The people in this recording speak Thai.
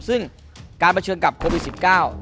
ซึ่งการประเชิงกับโคตรวิสิบเก้า